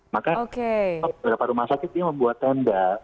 maka beberapa rumah sakit ini membuat tenda